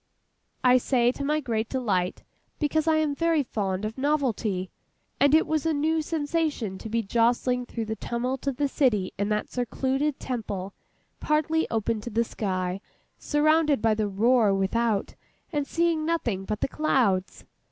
I say to my great delight, because I am very fond of novelty, and it was a new sensation to be jolting through the tumult of the city in that secluded Temple, partly open to the sky, surrounded by the roar without, and seeing nothing but the clouds.